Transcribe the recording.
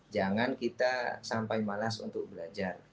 jangan kita sampai malas untuk belajar